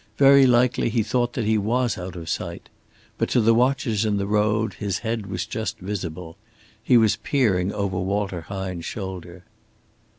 Very likely he thought that he was out of sight. But to the watchers in the road his head was just visible. He was peering over Walter Hine's shoulder.